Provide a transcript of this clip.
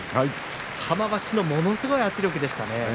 玉鷲、ものすごい圧力でしたね。